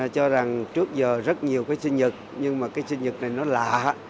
cho rằng trước giờ rất nhiều cái sinh nhật nhưng mà cái sinh nhật này nó lạ